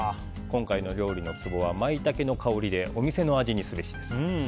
今回の料理のツボはマイタケの香りでお店の味にすべしです。